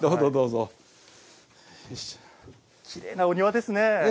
きれいなお庭ですね。